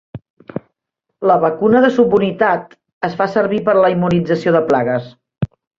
La vacuna de subunitat es fa servir per a la immunització de plagues.